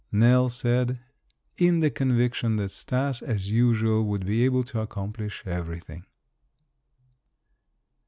Nell said, in the conviction that Stas as usual would be able to accomplish everything.